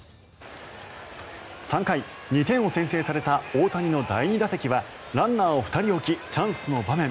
３回、２点を先制された大谷の第２打席はランナーを２人置きチャンスの場面。